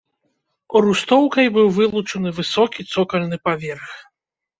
Рустоўкай быў вылучаны высокі цокальны паверх.